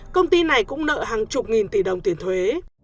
công ty này cũng nợ hàng chục nghìn tỷ đồng tiền thuế